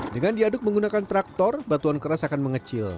dengan diaduk menggunakan traktor batuan keras akan mengecil